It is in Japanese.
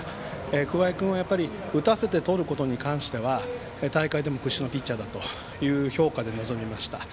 桑江君は打たせてとることに関しては大会でも屈指のピッチャーだという評価で臨みました。